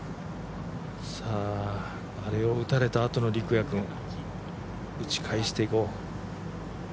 あれを打たれたあとの陸也君、打ち返していこう。